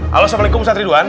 halo assalamualaikum ustad ridwan